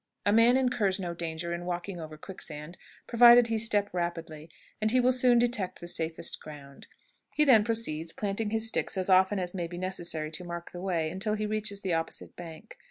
A man incurs no danger in walking over quicksand provided he step rapidly, and he will soon detect the safest ground. He then proceeds, planting his sticks as often as may be necessary to mark the way, until he reaches the opposite bank.